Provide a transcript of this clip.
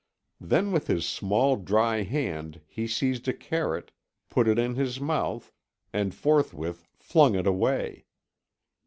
Then with his small dry hand he seized a carrot, put it to his mouth, and forthwith flung it away.